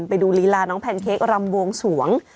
ไปดูลีลาน้องแพนเค้กรำบวงสวง